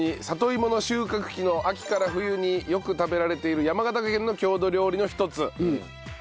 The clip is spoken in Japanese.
里芋の収穫期の秋から冬によく食べられている山形県の郷土料理の一つ。